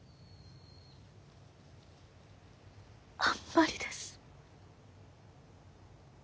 あんまりです。